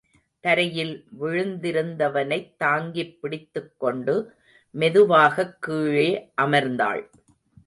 தரையில் விழுந்திருந்தவனைத் தாங்கிப் பிடித்துக் கொண்டு மெதுவாகக் கீழே அமர்ந்தாள்.